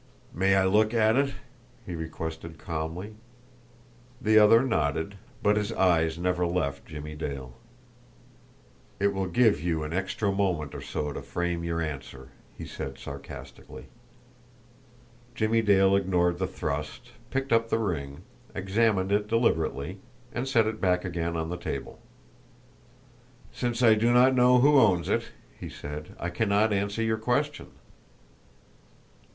"May I look at it?" he requested calmly. The other nodded, but his eyes never left Jimmie Dale. "It will give you an extra moment or so to frame your answer," he said sarcastically. Jimmie Dale ignored the thrust, picked up the ring, examined it deliberately, and set it back again on the table. "Since I do not know who owns it," he said, "I cannot answer your question."